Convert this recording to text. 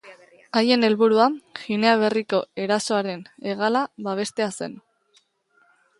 Haien helburua, Ginea Berriko erasoaren hegala babestea zen.